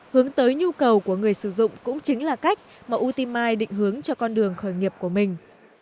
hướng tới nhu cầu của người sử dụng cũng chính là cách mà utima định hướng cho con đường khởi nghiệp của mình